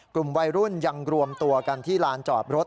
กลุ่มวัยรุ่นยังรวมตัวกันที่ลานจอดรถ